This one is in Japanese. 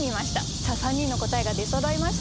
さあ３人の答えが出そろいました。